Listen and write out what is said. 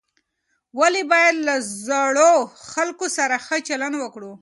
ولې باید له زړو خلکو سره ښه چلند وکړو؟